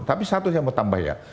tapi satu yang mau ditambah ya